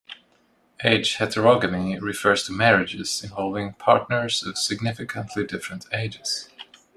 Age heterogamy refers to marriages involving partners of significantly different ages.